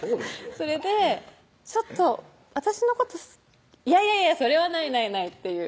それでちょっと私のこといやいやいやそれはないないないっていう